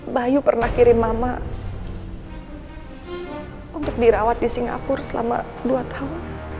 bayu pernah kirim mama untuk dirawat di singapura selama dua tahun